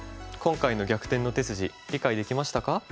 今回の「逆転の手筋」理解できましたか？